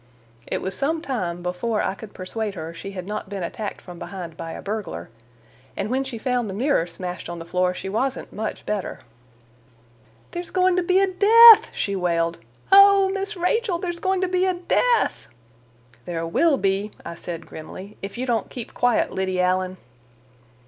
It was some time before I could persuade her she had not been attacked from behind by a burglar, and when she found the mirror smashed on the floor she wasn't much better. "There's going to be a death!" she wailed. "Oh, Miss Rachel, there's going to be a death!" "There will be," I said grimly, "if you don't keep quiet, Liddy Allen."